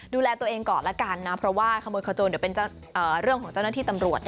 ดูแลตัวเองก่อนละกันนะเพราะว่าขโมยขโจนเดี๋ยวเป็นเรื่องของเจ้าหน้าที่ตำรวจ